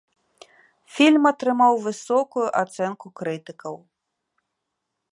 Фільм атрымаў высокую ацэнку крытыкаў.